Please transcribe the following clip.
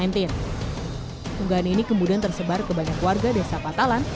tunggaan ini kemudian tersebar ke banyak warga desa patalan